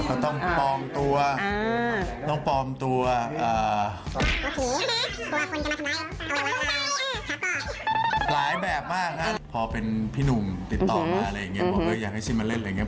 พี่หนุ่มติดต่อมาอะไรอย่างเงี้ยบอกว่าอยากให้ชิมมาเล่นอะไรอย่างเงี้ย